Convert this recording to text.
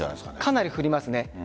かなり降りますね。